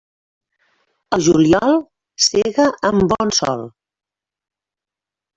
Al juliol, sega amb bon sol.